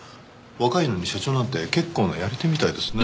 若いのに社長なんて結構なやり手みたいですね。